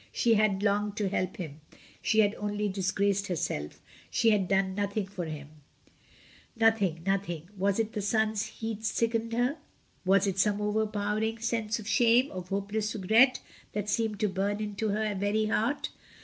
She had longed to help him; she had only dis graced herself, she had done nothing for him — nothing, nothing. Was it the sun's heat sickened her? Was it some overpowering sense of shame, of hopeless regret, that seemed to burn into her very heart?